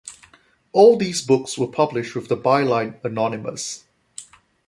All these books were published with the byline 'Anonymous'.